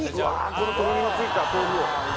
このとろみのついた豆腐を。